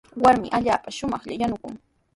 Warmi allaapa shumaqlla yanukun.